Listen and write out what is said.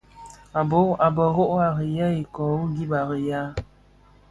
A bërô à rì yêê ikoɔ wu gib bi riyal.